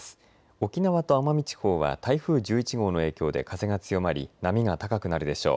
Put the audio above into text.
沖縄と奄美地方は台風１１号の影響で風が強まり波が高くなるでしょう。